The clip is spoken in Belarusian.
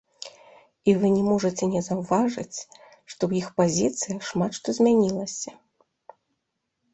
І вы не можаце не заўважыць, што ў іх пазіцыях шмат што змянілася.